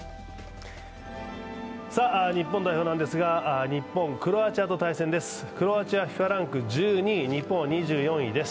日本代表ですが、日本、クロアチアと対戦です。